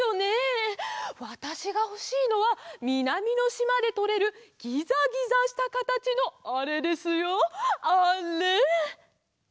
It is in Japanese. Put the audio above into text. わたしがほしいのはみなみのしまでとれるギザギザしたかたちのあれですよあれ！